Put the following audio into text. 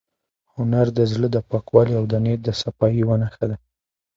هنر د زړه د پاکوالي او د نیت د صفایۍ یوه نښه ده.